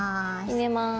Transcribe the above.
入れます。